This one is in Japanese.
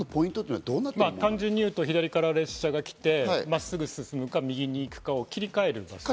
単純に言うと、左から列車が来て、まっすぐ進むか右に行くかを切り替える。